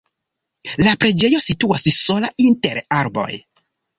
La preĝejo situas sola inter arboj.